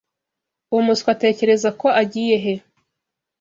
Uwo muswa atekereza ko agiye he?